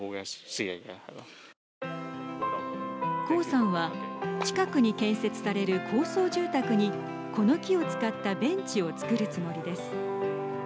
黄さんは近くに建設される高層住宅にこの木を使ったベンチを作るつもりです。